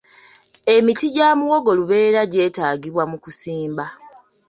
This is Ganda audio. Emiti gya muwogo lubeerera gyetaagibwa mu kusimba